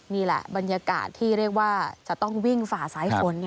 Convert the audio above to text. นี่แหละบรรยากาศที่เรียกว่าจะต้องวิ่งฝ่าสายฝน